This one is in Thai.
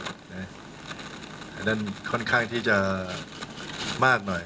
อันนั้นค่อนข้างที่จะมากหน่อย